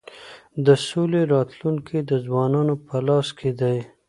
د سولی راتلونکی د ځوانانو په لاس کي دی.